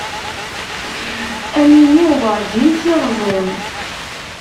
Ad am iniɣ warǧin tiṛẓi.